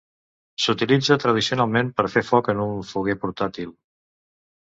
S'utilitza tradicionalment per fer foc en un foguer portàtil.